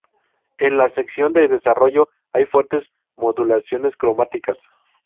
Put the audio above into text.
En la sección de desarrollo hay fuertes modulaciones cromáticas.